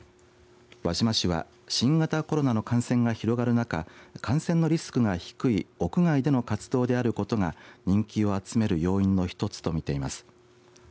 輪島市は新型コロナの感染が広がる中感染のリスクが低い屋外での活動であることが人気を集める要因の１つとみています。